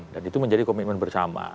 dan itu menjadi komitmen bersama